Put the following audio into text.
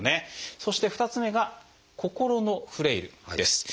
そして２つ目が「心のフレイル」です。